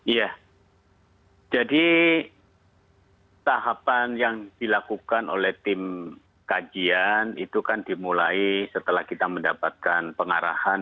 ya jadi tahapan yang dilakukan oleh tim kajian itu kan dimulai setelah kita mendapatkan pengarahan